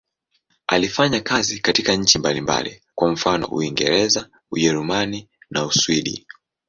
Alifanya kazi katika nchi mbalimbali, kwa mfano Uingereza, Ujerumani na Uswidi.